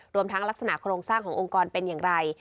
รวมทั้งลักษณะโครงสร้างขององค์กรเป็นอย่างไร